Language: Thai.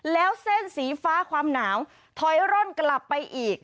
แล้วเส้นสีฟ้าความหนาวถอยร่อนกลับไปอีก